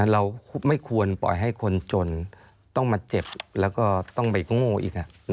เราไม่ควรปล่อยให้คนจนต้องมาเจ็บแล้วก็ต้องไปโง่อีก